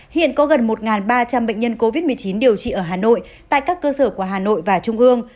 hiện có gần một ba trăm linh bệnh nhân covid một mươi chín điều trị ở hà nội tại các cơ sở của hà nội và trung ương